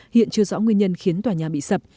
hiện chưa rõ nguyên nhân khiến tòa nhà bị sập